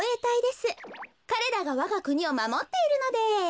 かれらがわがくにをまもっているのです。